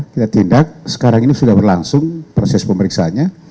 kita tindak sekarang ini sudah berlangsung proses pemeriksaannya